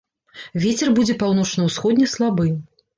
Вецер будзе паўночна-ўсходні, слабы.